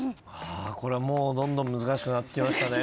これはもうどんどん難しくなってきましたね。